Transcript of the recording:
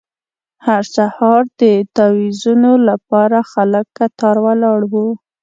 هر سهار د تاویزونو لپاره خلک کتار ولاړ وو.